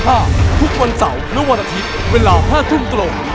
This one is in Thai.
ทุกวันเสาร์และวันอาทิตย์เวลา๕ทุ่มตรง